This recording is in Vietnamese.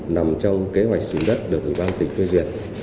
nằm trong kế hoạch xứng đất được của ban tỉnh phê duyệt